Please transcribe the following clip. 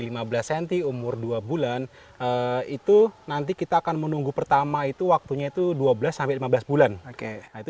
lima belas cm umur dua bulan itu nanti kita akan menunggu pertama itu waktunya itu dua belas sampai lima belas bulan oke itu